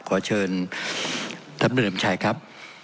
ขอเชิญท่านพระเริ่มชายครับ